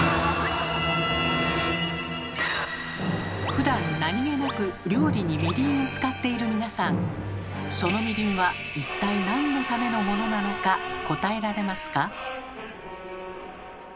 ふだん何気なく料理に「みりん」を使っている皆さんそのみりんは一体なんのためのモノなのか答えられますか？